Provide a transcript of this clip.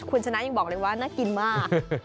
คุณชนะยังบอกเลยว่าน่ากินมาก